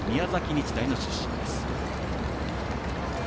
日大の出身です。